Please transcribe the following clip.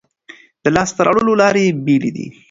د لاسته راوړلو لارې بېلې دي.